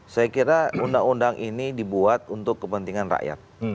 saya kira undang undang ini dibuat untuk kepentingan rakyat